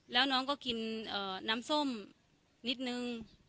แล้วน้องก็กินน้ำส้มนิดนึง